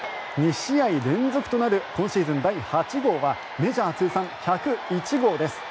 ２試合連続となる今シーズン第８号はメジャー通算１０１号です。